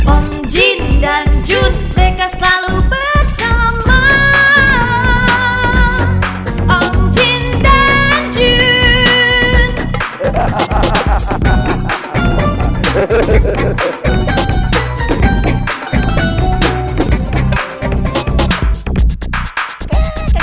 om jin dan jun selalu bikin ketawa